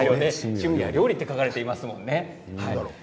趣味は料理と書かれています。